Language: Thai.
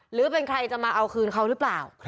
หรือเป็นใครจะมาเอาคืนเขาหรือเปล่า